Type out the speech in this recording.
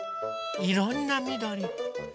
いろんなみどり。